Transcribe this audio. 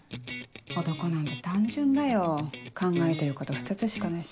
男なんて単純だよ考えてること２つしかないし。